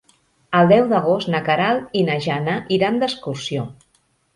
El deu d'agost na Queralt i na Jana iran d'excursió.